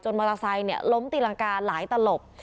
จนมอเตอร์ไซล์นี่ล้มตีหลังกาหลายตะหลบ